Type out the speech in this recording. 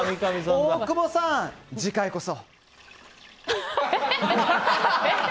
大久保さん、次回こそ。